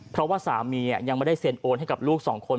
เพราะว่าสามียังไม่ได้เซ็นโอนให้กับลูกสองคน